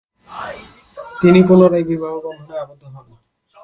তিনি পুনরায় বিবাহ বন্ধনে আবদ্ধ হন।